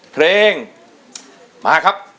เพลงมาครับ